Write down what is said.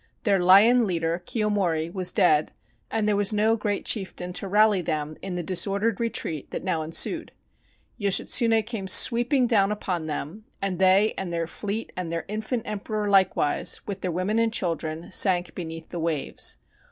Their lion leader, Kiyomori, was dead, and there was no great chieftain to rally them in the disordered retreat that now ensued. Yoshitsune came sweeping down upon them, and they and their fleet and their infant emperor likewise, with their women and children, sank beneath the waves.